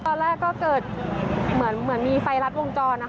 ตอนแรกก็เกิดเหมือนมีไฟรัดวงจรนะคะ